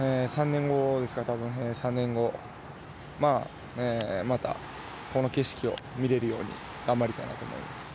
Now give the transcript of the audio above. ３年後、またこの景色を見れるように頑張りたいなと思います。